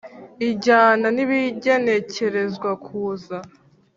ijyana n ibigenekerezwa kuza